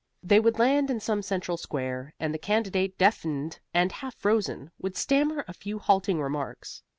They would land in some central square, and the candidate, deafened and half frozen, would stammer a few halting remarks.